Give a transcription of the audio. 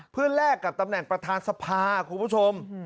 เพื่อแลกกับตำแหน่งประธานสภาคุณผู้ชม